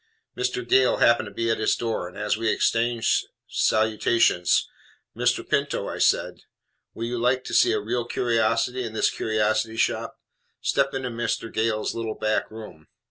Mr. Gale happened to be at his door, and as we exchanged salutations, "Mr. Pinto," I said, "will you like to see a real curiosity in this curiosity shop? Step into Mr. Gale's little back room."